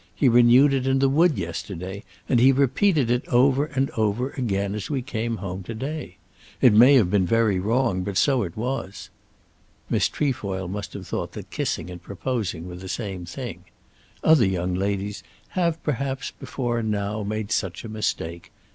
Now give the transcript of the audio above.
He renewed it in the wood yesterday; and he repeated it over and over again as we came home to day. It may have been very wrong, but so it was." Miss Trefoil must have thought that kissing and proposing were the same thing. Other young ladies have, perhaps, before now made such a mistake.